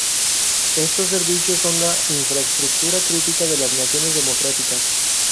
estos servicios son la infraestructura crítica de las naciones democráticas